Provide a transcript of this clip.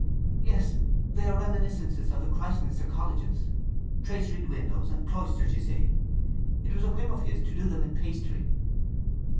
"Yes. They are reminiscences of the Christminster Colleges. Traceried windows, and cloisters, you see. It was a whim of his to do them in pastry."